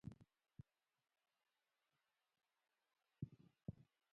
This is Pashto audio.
آیا دوی د ماشومانو ساتنه نه کوي؟